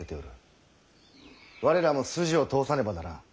我らも筋を通さねばならん。